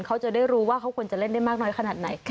เขาจะได้รู้ว่าเขาควรจะเล่นได้มากน้อยขนาดไหน